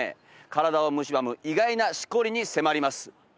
身体をむしばむ意外なシコリに迫ります